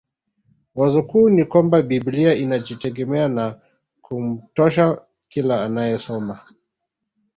Wazo kuu ni kwamba biblia inajitegemea na kumtosha kila anayesoma